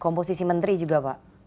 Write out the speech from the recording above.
komposisi menteri juga pak